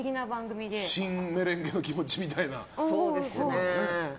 「メレンゲの気持ち」みたいな。